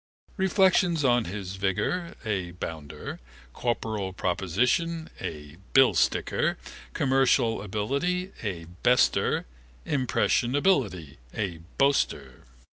Reflections on his vigour (a bounder), corporal proportion (a billsticker), commercial ability (a bester), impressionability (a boaster).